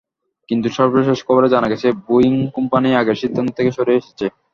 কিন্তু সর্বশেষ খবরে জানা গেছে, বোয়িং কোম্পানি আগের সিদ্ধান্ত থেকে সরে এসেছে।